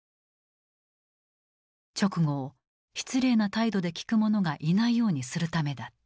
勅語を失礼な態度で聴く者がいないようにするためだった。